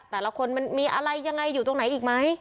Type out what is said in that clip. แต่ละคนมันมีอะไรยังไงอยู่ตรงไหนอีกไหม